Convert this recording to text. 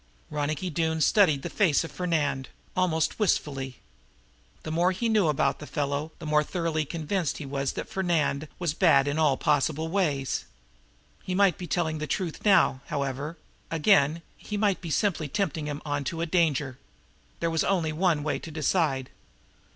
Ronicky Doone studied the face of Fernand, almost wistfully. The more he knew about the fellow the more thoroughly convinced he was that Fernand was bad in all possible ways. He might be telling the truth now, however again he might be simply tempting him on to a danger. There was only one way to decide.